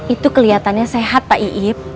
itu kelihatannya sehat pak iiib